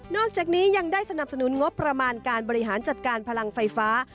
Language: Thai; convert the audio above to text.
อกจากนี้ยังได้สนับสนุนงบประมาณการบริหารจัดการพลังไฟฟ้า